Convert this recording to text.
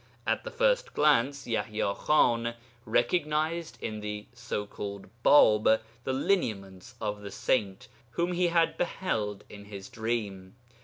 At the first glance Yaḥya Khan recognized in the so called Bāb the lineaments of the saint whom he had beheld in his dream.